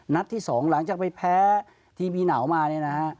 นัดที่๒หลังจากไปแพ้ทีพีหนาวมาเนี่ยนะฮะ